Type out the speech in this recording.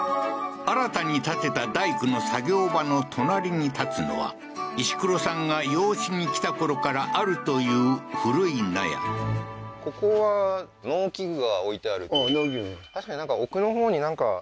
新たに建てた大工の作業場の隣に建つのは石黒さんが養子に来たころからあるという古い納屋農機具